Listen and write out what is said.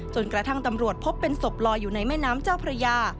ตำรวจพบเป็นศพลอยอยู่ในแม่น้ำเจ้าพระยา